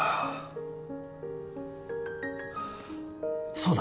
そうだ。